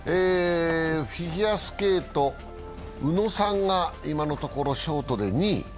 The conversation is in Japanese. フィギュアスケート、宇野さんが今のところショートで２位。